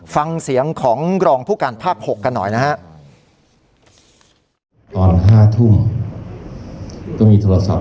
ฟังเสียงของรองผู้การภาคหกกันหน่อยนะฮะตอนห้าทุ่มก็มีโทรศัพท์